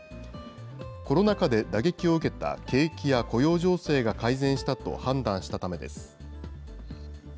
コロナ禍で打撃を受けた景気や雇用情勢が改善したと判断したためです。